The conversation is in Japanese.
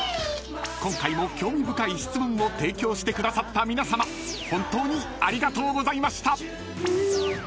［今回も興味深い質問を提供してくださった皆さま本当にありがとうございました］